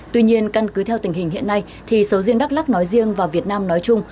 tuy nhiên căn cứ theo tình hình hiện nay thì sầu riêng đắk lắc nói riêng và việt nam nói chung